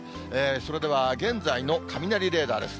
それでは現在の雷レーダーです。